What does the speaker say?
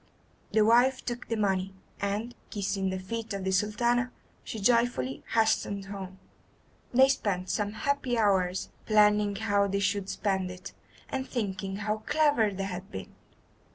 The wife took the money, and, kissing the feet of the Sultana, she joyfully hastened home. They spent some happy hours planning how they should spend it, and thinking how clever they had been.